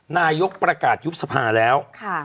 นายกประกาศยุบสภาแล้ว